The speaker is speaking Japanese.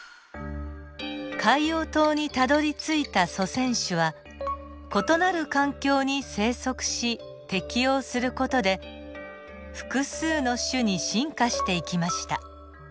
海洋島にたどりついた祖先種は異なる環境に生息し適応する事で複数の種に進化していきました。